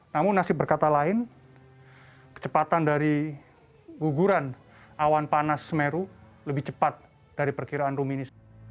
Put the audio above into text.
namun nasib berkata lain kecepatan dari guguran awan panas semeru lebih cepat dari perkiraan rumini